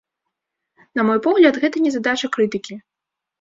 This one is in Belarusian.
На мой погляд, гэта не задача крытыкі.